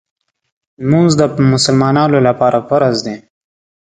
لمونځ د مسلمانانو لپاره فرض دی.